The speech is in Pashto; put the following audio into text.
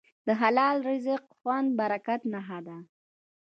د حلال رزق خوند د برکت نښه ده.